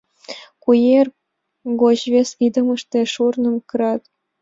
Куэр гоч вес идымыште шурным кырат.